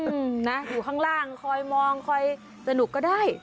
นะอยู่ข้างล่างคอยมองคอยสนุกก็ได้